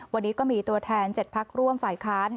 วันนี้ก็มีตัวแทน๗พักร่วมฝ่ายค้าน